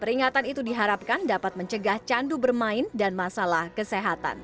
peringatan itu diharapkan dapat mencegah candu bermain dan masalah kesehatan